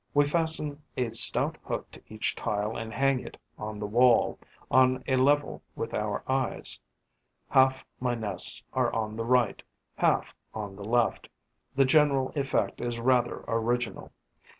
We fasten a stout hook to each tile and hang it on the wall, on a level with our eyes. Half my nests are on the right, half on the left. The general effect is rather original.